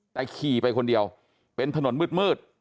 แต่ขี่ไปคนเดียวเป็นถนนมืด